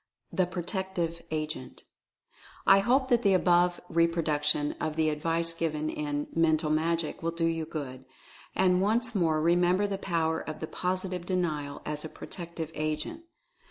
THE PROTECTIVE AGENT. I hope that the above reproduction of the advice given in "Mental Magic" will do you good. And once more remember the power of the POSITIVE DENIAL as a Protective Agent.